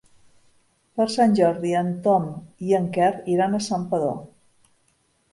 Per Sant Jordi en Tom i en Quer iran a Santpedor.